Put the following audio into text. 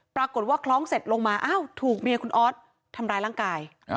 ปรากฏว่าคล้องเสร็จลงมาอ้าวถูกเมียคุณออสทำร้ายร่างกาย